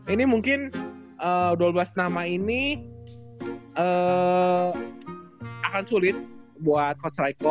ini mungkin dua belas nama ini akan sulit buat coach ricko